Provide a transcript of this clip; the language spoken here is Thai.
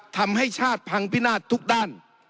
ทำให้ชาติพังพินาศทุกด้าน